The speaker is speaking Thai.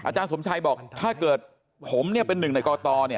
อาจารย์สมชัยบอกถ้าเกิดผมเป็นหนึ่งในกอกตอ